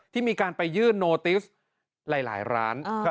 ที่มีการไปยื่นโนติสหลายร้าน